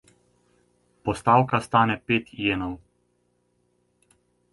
Postavka stane pet jenov.